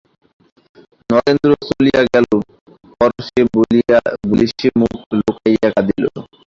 নরেন্দ্র চলিয়া গেলে পর সে বালিশে মুখ লুকাইয়া কাঁদিল।